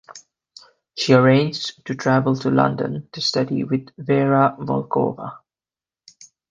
She arranged to travel to London to study with Vera Volkova.